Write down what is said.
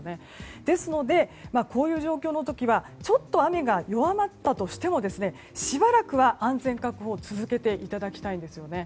ですので、こういう状況の時はちょっと雨が弱まったとしてもしばらくは安全確保を続けていただきたいんですね。